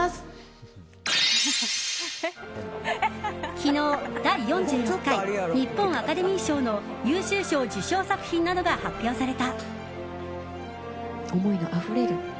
昨日第４６回日本アカデミー賞の優秀賞受賞作品などが発表された。